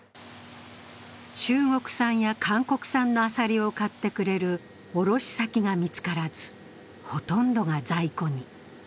中国産や韓国産のアサリを買ってくれる卸し先が見つからずほとんどが在庫に。